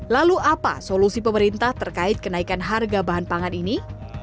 lalu apa solusi pemerintah terkait kenaikan harga bahan pangan ini